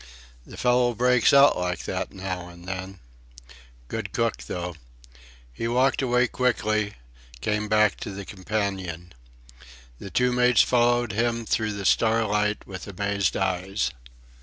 The fellow breaks out like that now and then. Good cook tho'." He walked away quickly, came back to the companion. The two mates followed him through the starlight with amazed eyes.